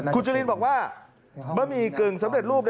คุณจรินบอกว่าบะหมี่กึ่งสำเร็จรูป